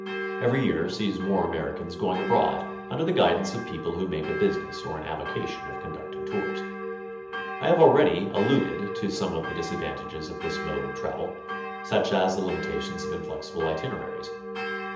Every year sees more Americans going abroad under the guidance of people who make a business or an avocation of conducting tours. I have already alluded to 177 178 GOING ABROAD? some of the disadvantages of this mode of travel, such as the limitations of inflexible itineraries.